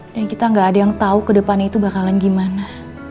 dan kita gak ada yang tau ke depannya itu bakalan gimana